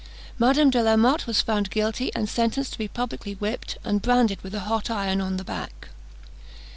Madame de la Motte was found guilty, and sentenced to be publicly whipped, and branded with a hot iron on the back.